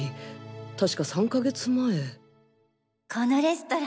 たしか３か月前。